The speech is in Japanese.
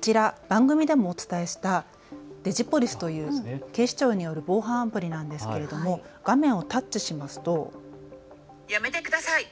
こちら、番組でもお伝えしたＤｉｇｉＰｏｌｉｃｅという警視庁による防犯アプリなんですけれども画面をタッチしますとやめてください。